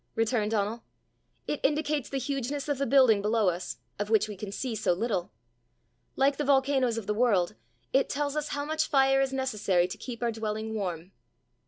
returned Donal. "It indicates the hugeness of the building below us, of which we can see so little. Like the volcanoes of the world, it tells us how much fire is necessary to keep our dwelling warm."